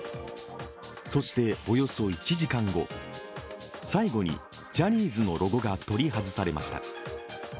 そして、およそ１時間後最後にジャニーズのロゴが取り外されました。